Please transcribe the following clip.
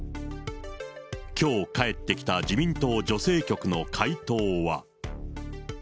きょう返ってきた自民党女性局の回答は。